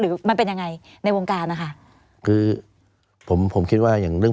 หรือมันเป็นยังไงในวงการนะคะคือผมผมคิดว่าอย่างเรื่อง